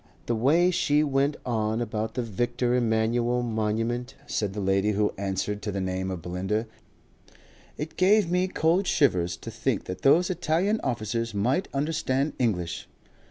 "The way she went on about the Victor Emmanuele Monument!" said the lady who answered to the name of Belinda. "It gave me cold shivers to think that those Italian officers might understand English."